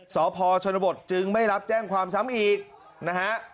สพชนบทจึงไม่รับแจ้งความซ้ำอีกนะฮะ